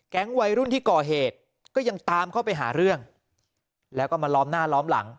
วัยรุ่นที่ก่อเหตุก็ยังตามเข้าไปหาเรื่องแล้วก็มาล้อมหน้าล้อมหลัง